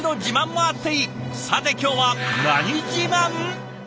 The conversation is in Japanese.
さて今日は何自慢？